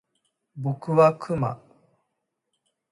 僕はクマ